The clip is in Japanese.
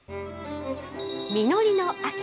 実りの秋。